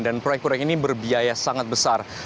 dan proyek proyek ini berbiaya sangat besar